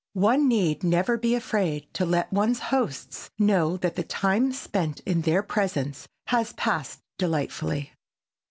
One need never be afraid to let one's hosts know that the time spent in their presence has passed delightfully.